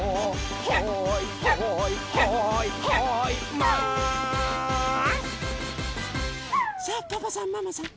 「はいはいはいはいマン」さあパパさんママさん